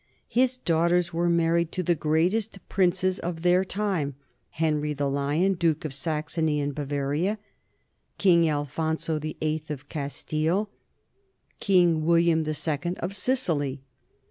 His daughters were married to the greatest princes of their time, Henry the Lion, duke of Saxony and Bavaria, King Alphonso VIII of Castile, King William II of Sicily.